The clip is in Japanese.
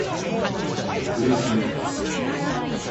ウーピン